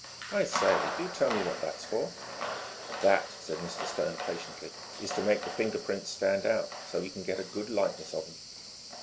"I say, do tell me what that's for?" "That," said Mr. Stone patiently, "is to make the fingerprints stand out, so we can get a good likeness of 'em."